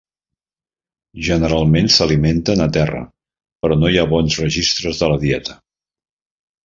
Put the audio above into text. Generalment s'alimenten a terra, però no hi ha bons registres de la dieta.